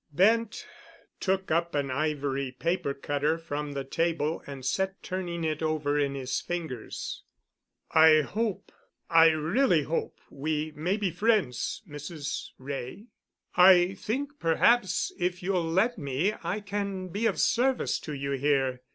Bent took up an ivory paper cutter from the table and sat turning it over in his fingers. "I hope—I really hope we may be friends, Mrs. Wray. I think perhaps if you'll let me I can be of service to you here.